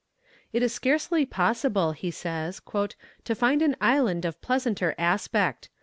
"It is scarcely possible," he says, "to find an island of pleasanter aspect.